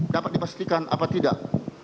dapat dipastikan apa tidak